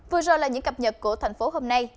vừa rồi là những cập nhật của thành phố hôm nay